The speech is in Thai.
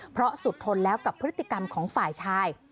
เพราะสุดทนแล้วกับพฤติกรรมของฝ่ายชาย